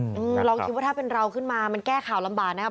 ลองคิดว่าถ้าเป็นเราขึ้นมามันแก้ข่าวลำบากนะครับ